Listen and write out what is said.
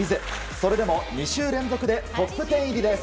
それでも、２週連続でトップ１０入りです。